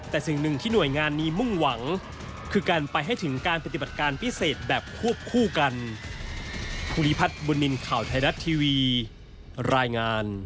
แต่สิ่งหนึ่งที่หน่วยงานนี้มุ่งหวังคือการไปให้ถึงการปฏิบัติการพิเศษแบบควบคู่กัน